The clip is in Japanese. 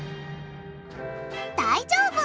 大丈夫！